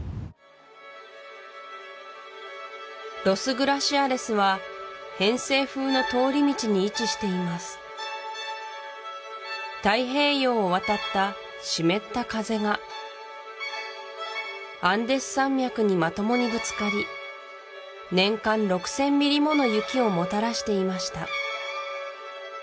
ロス・グラシアレスは偏西風の通り道に位置しています太平洋を渡った湿った風がアンデス山脈にまともにぶつかり年間６０００ｍｍもの雪をもたらしていました